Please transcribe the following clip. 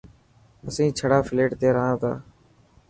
اسين ڇڙا فليٽ تي رها تا.